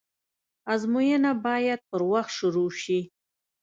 آزموينه بايد پر وخت شروع سي.